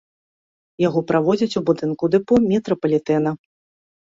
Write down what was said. Яго праводзяць у будынку дэпо метрапалітэна.